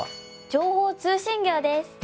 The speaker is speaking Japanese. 「情報通信業」です！